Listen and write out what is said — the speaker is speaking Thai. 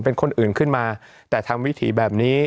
เป็นคนอื่นขึ้นมาแต่ทำวิถีแบบนี้